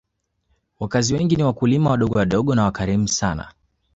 Wakazi wengi ni wakulima wadogowadogo na wakarimu sana